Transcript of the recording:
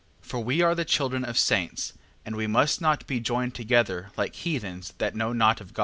8:5. For we are the children of saints, and we must not be joined together like heathens that know not God.